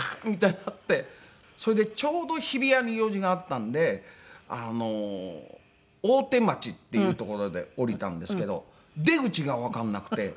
それでちょうど日比谷に用事があったので大手町っていう所で降りたんですけど出口がわからなくて。